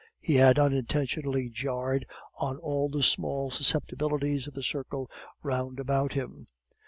He had unintentionally jarred on all the small susceptibilities of the circle round about him.